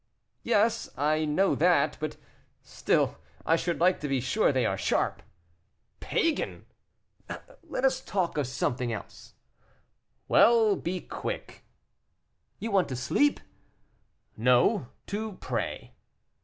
"Yes, I know that; but still I should like to be sure they are sharp." "Pagan!" "Let us talk of something else." "Well, be quick." "You want to sleep?" "No, to pray."